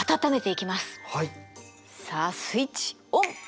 さあスイッチオン！